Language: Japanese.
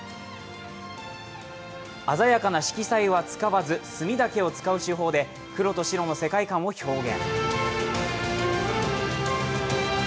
鮮やかな色彩は使わず墨だけを使う手法で黒と白の世界観を表現。